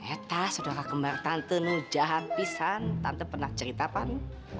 eh teh saudara kemarin tante nujahan pisan tante pernah ceritakan